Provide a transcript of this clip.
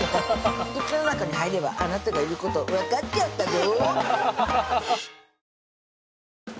口の中に入ればあなたがいること分かっちゃったぞ